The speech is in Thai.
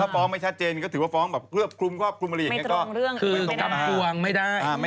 ขณะตอนอยู่ในสารนั้นไม่ได้พูดคุยกับครูปรีชาเลย